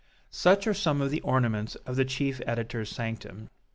Such are some of the ornaments of the chief editor's sanctum.